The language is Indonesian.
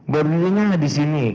berdiri nya disini